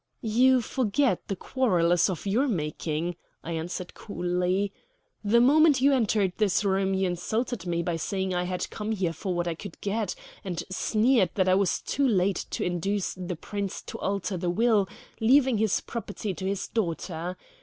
"You forget the quarrel is of your making," I answered coolly. "The moment you entered this room you insulted me by saying I had come here for what I could get, and sneered that I was too late to induce the Prince to alter the will leaving his property to his daughter.